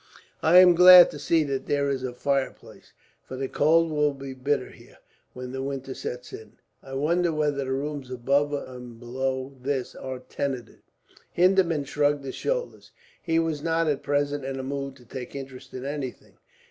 "I am glad to see that there is a fireplace, for the cold will be bitter here, when the winter sets in. I wonder whether the rooms above and below this are tenanted?" Hindeman shrugged his shoulders. He was not, at present, in a mood to take interest in anything.